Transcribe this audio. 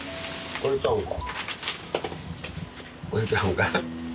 これちゃうんか？